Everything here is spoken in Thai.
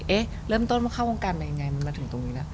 เอ้เริ่มต้นมาเข้าวงการได้ยังไงมาถึงตรงนี้ล่ะ